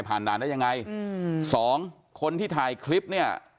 ด่านได้ยังไงอืมสองคนที่ถ่ายคลิปเนี่ย